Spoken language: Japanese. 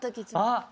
あっ！